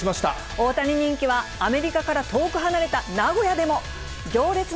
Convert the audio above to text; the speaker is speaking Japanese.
大谷人気はアメリカから遠く離れた名古屋でも。